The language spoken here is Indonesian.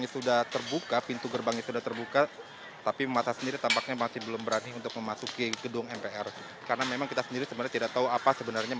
standby itu gimana maksudnya